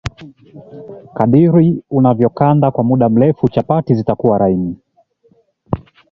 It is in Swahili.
Kadiri unavyokanda kwa muda mrefu chapati zitakuwa laini